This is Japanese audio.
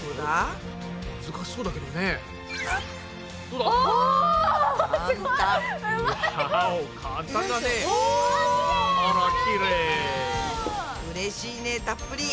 うれしいねたっぷり！